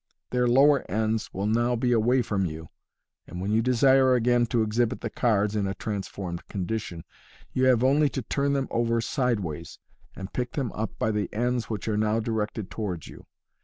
Their lower ends will now be away from you, and when you desire again to exhibit the cards (in a transformed condition), you have only to turn them over side ways, and pick them up by the ends which are now directed towards you.